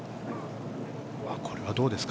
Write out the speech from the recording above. これはどうですか？